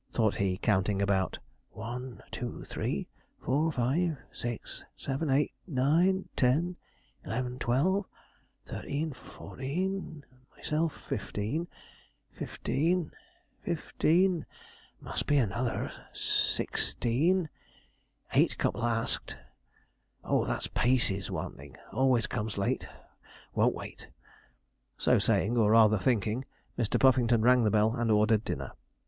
thought he, counting about; 'one, two, three, four, five, six, seven, eight, nine, ten, eleven, twelve, thirteen, thirteen, fourteen, myself fifteen fifteen, fifteen, must be another sixteen, eight couple asked. Oh, that Pacey's wanting; always comes late, won't wait' so saying, or rather thinking, Mr. Puffington rang the bell and ordered dinner.